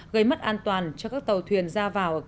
gây mất an toàn cho các tàu thuyền ra vào